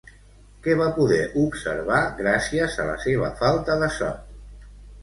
Què va poder observar gràcies a la seva falta de son?